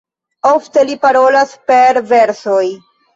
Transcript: Ofte li parolas per versoj.